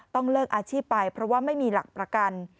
เลิกอาชีพไปเพราะว่าไม่มีหลักประกัน